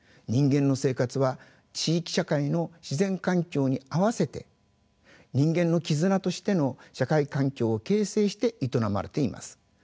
人間の生活は地域社会の自然環境に合わせて人間の絆としての社会環境を形成して営まれています。